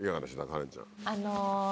カレンちゃん。